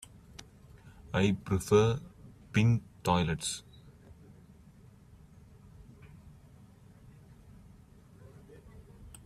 I prefer pink toilets.